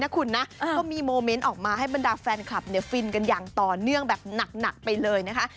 คุณนะก็มีโมเมนต์ออกมาให้บรรดาแฟนคลับฟินกันอย่างต่อเนื่องแบบหนักไปเลยนะคะ